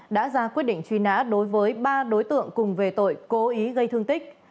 đã ra quyết định truy nã đối với ba đối tượng cùng về tội cố ý gây thương tích